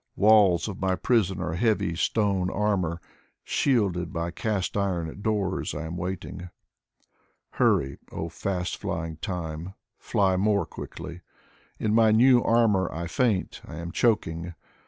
Walls of my prison are heavy stone armor; Shielded by cast iron doors, I am waiting. Hurry, oh fast flying Time, fly more quickly! In my new armor I faint, I am choking.